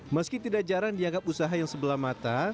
meski tidak jarang dianggap usaha yang sebelah mata